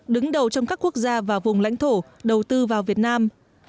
đứng đầu trong các quốc gia và vùng lãnh thổ đầu tư vào việt nam